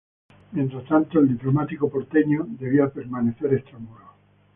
Mientras tanto el diplomático porteño debía permanecer extramuros.